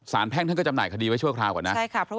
แพ่งท่านก็จำหน่ายคดีไว้ชั่วคราวก่อนนะ